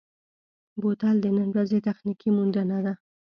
بوتل د نن ورځې تخنیکي موندنه ده.